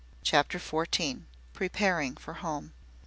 CHAPTER FOURTEEN. PREPARING FOR HOME.